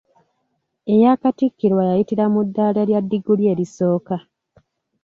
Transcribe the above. Eyakattikirwa yayitira mu ddala lya ddiguli erisooka.